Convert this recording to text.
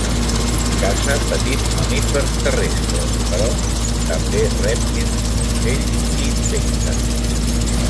Caça petits mamífers terrestres, però també rèptils, ocells i insectes.